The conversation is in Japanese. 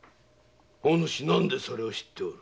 おぬし何でそれを知っておる？